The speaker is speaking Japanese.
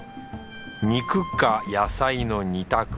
肉か野菜の２択。